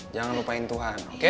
jangan lupain tuhan oke